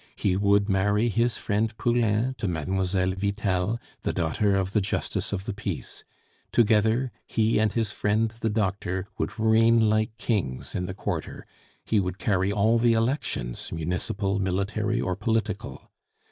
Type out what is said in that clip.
He would marry his friend Poulain to Mlle. Vitel, the daughter of the justice of the peace; together, he and his friend the doctor would reign like kings in the quarter; he would carry all the elections municipal, military, or political.